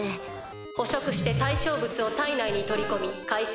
「捕食して対象物を体内にとり込み解析。